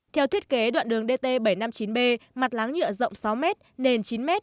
theo thiết kế đoạn đường dt bảy trăm năm mươi chín b mặt láng nhựa rộng sáu m nền chín m